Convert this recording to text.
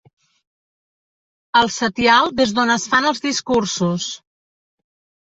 El setial des d'on es fan els discursos.